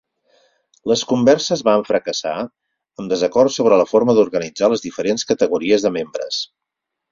Les converses van fracassar amb desacords sobre la forma d'organitzar les diferents categories de membres.